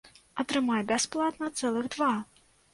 Атрымай бясплатна цэлых два!